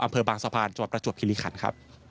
อำเภอบางสะพานประจวบคิริขันครับ